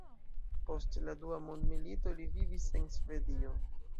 Post la dua mondmilito li vivis en Svedio.